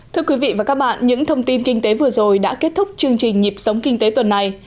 thưa quý vị và các bạn những thông tin kinh tế vừa rồi đã kết thúc chương trình nhịp sống kinh tế tuần này